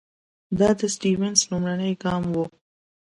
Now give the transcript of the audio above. دا د سټیونز لومړنی ګام وو.